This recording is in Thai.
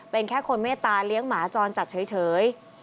เป็นแค่คนเมตตาเลี้ยงหมาจรจัดเฉย